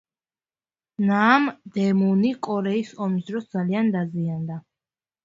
ნამდემუნი კორეის ომის დროს ძალიან დაზიანდა.